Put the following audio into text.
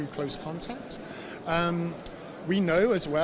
bahwa ketika kita ingin mencari